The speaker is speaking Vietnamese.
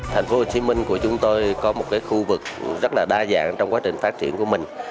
thành phố hồ chí minh của chúng tôi có một khu vực rất là đa dạng trong quá trình phát triển của mình